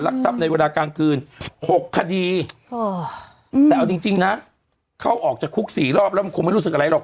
ทรัพย์ในเวลากลางคืน๖คดีแต่เอาจริงจริงนะเข้าออกจากคุกสี่รอบแล้วมันคงไม่รู้สึกอะไรหรอก